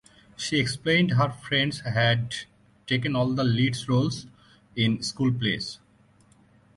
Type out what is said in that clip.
She explained her friend had taken all the lead roles in school plays.